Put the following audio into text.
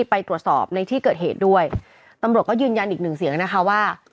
ไปตรวจสอบในที่เกิดเหตุด้วยตำรวจก็ยืนยันอีกหนึ่งเสียงนะคะว่า